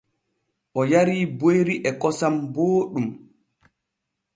O yarii boyri e kosam booɗɗum.